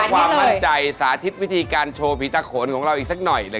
ความมั่นใจสาธิตวิธีการโชว์ผีตาโขนของเราอีกสักหน่อย